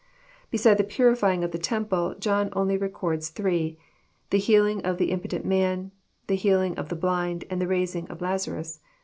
Beside the purifying of the temple, John only records three : the healing of the impotent man, the healing of the blind, and the raising of Lazarus.